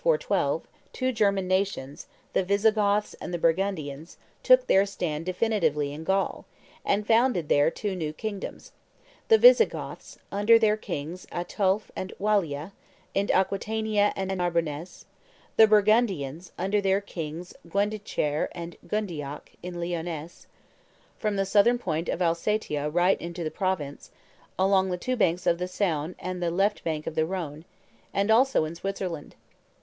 412, two German nations, the Visigoths and the Burgundians, took their stand definitively in Gaul, and founded there two new kingdoms: the Visigoths, under their kings Ataulph and Wallia, in Aquitania and Narbonness; the Burgundians, under their kings Gundichaire and Gundioch, in Lyonness, from the southern point of Alsatia right into Provence, along the two banks of the Saone and the left bank of the Rhone, and also in Switzerland.